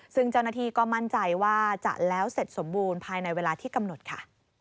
ซึ่งเจ้าหน้าที่ก็มั่นใจว่าจะแล้วเสร็จสมบูรณ์ภายในเวลาที่กำหนดค่ะ